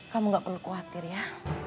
kamu gak perlu khawatir ya